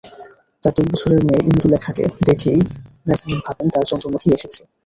তাঁর দুই বছরের মেয়ে ইন্দুলেখাকে দেখেই নাজনীন ভাবেন তাঁর চন্দ্রমুখী এসেছে।